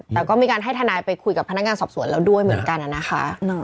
แต่ก็มีการให้ทนายไปคุยกับพนักงานสอบสวนแล้วด้วยเหมือนกันนะคะ